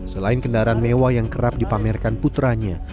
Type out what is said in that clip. selain kendaraan mewah yang kerap dipamerkan putranya